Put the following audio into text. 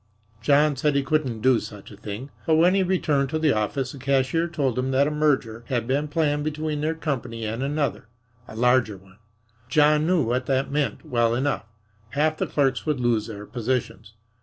John said he couldn't do such a thing, but when he returned to the office the cashier told him that a merger had been planned between their company and another a larger one. John knew what that meant well enough half the clerks would lose their positions.